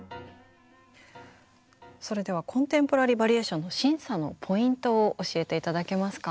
それではコンテンポラリー・バリエーションの審査のポイントを教えて頂けますか？